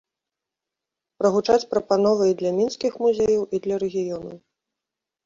Прагучаць прапановы і для мінскіх музеяў, і для рэгіёнаў.